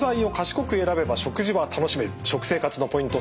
食生活のポイント